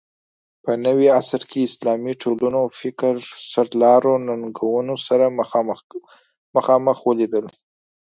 په نوي عصر کې اسلامي ټولنو فکر سرلارو ننګونو سره مخامخ ولیدل